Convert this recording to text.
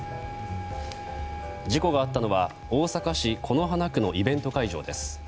事故があったのは大阪市此花区のイベント会場です。